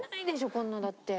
こんなだって。